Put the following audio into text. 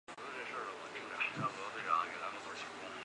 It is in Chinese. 李老小花介为小浪花介科小花介属下的一个种。